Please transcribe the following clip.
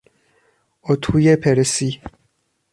اتوی پرسی